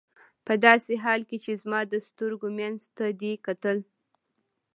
په داسې حال کې چې زما د سترګو منځ ته دې کتل.